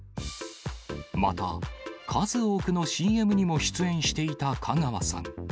また、数多くのＣＭにも出演していた香川さん。